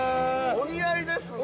◆お似合いですね。